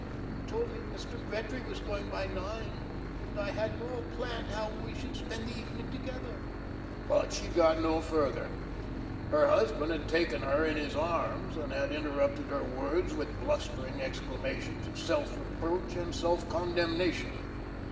You told me Mr. Gretry was going by nine, and I had it all planned how we would spend the evening together." But she got no further. Her husband had taken her in his arms, and had interrupted her words with blustering exclamations of self reproach and self condemnation.